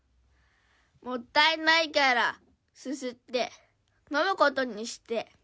もったいないから、すすって飲むことにして。